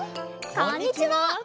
こんにちは！